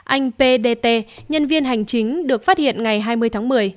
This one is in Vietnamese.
anh pdt nhân viên hành chính được phát hiện ngày hai mươi tháng một mươi